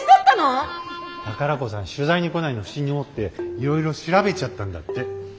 宝子さん取材に来ないの不審に思っていろいろ調べちゃったんだって。